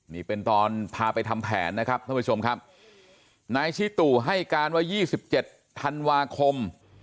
นี่เป็นตอนพาไปทำแผนนะครับท่านผู้ชมครับนายชิตุให้การว่า๒๗ธันวาคม